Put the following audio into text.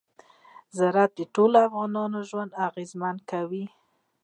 زراعت د ټولو افغانانو ژوند اغېزمن کوي.